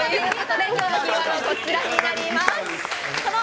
キーワードはこちらになります。